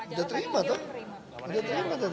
udah terima tuh udah terima tadi